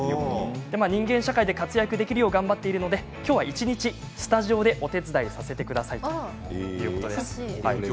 人間社会で活躍できるよう頑張っているので今日は一日スタジオでお手伝いさせてくださいということです。